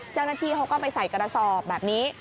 เจ้าหน้าที่เขาก็ไปใส่กระสอบแบบนี้